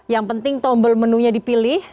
yang penting tombol menu nya dipilih